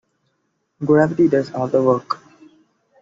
Gravity does all the work.